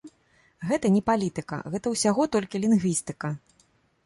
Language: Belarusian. Гэта не палітыка, гэта ўсяго толькі лінгвістыка.